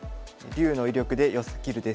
「竜の威力で寄せ切る」です。